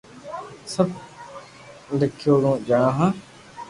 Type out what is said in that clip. سب اگياري جڻو ھي